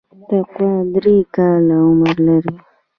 تقوا درې کاله عمر لري.